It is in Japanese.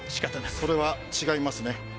それは違いますね。